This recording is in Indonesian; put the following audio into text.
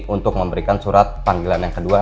untuk memberikan surat panggilan yang kedua